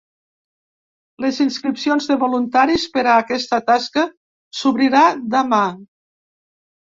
Les inscripcions de voluntaris per a aquesta tasca s’obrirà demà.